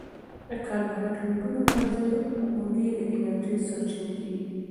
د کاربوهایډریټونو پر ځای غوړي د انرژي سرچینه کېږي.